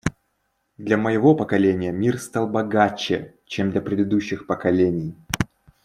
Для моего поколения мир стал богаче, чем для предыдущих поколений.